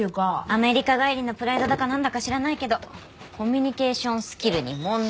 アメリカ帰りのプライドだかなんだか知らないけどコミュニケーションスキルに問題あり。